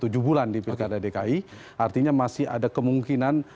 jadi kita sudah melihat yang ada kemungkinan